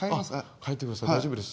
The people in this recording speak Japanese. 帰ってください大丈夫です。